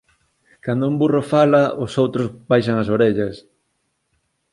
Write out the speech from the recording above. Cando un burro fala, os outros baixan as orellas